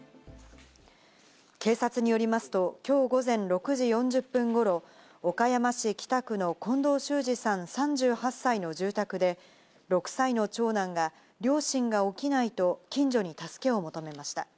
警察によりますと、きょう午前６時４０分ごろ、岡山市北区の近藤修二さん、３８歳の住宅で６歳の長男が、両親が起きないと近所に助けを求めました。